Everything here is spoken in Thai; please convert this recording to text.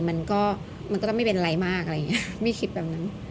มันก็จะไม่เป็นอะไรมากมีคิดแบบนั้น